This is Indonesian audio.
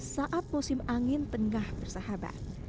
saat musim angin tengah bersahabat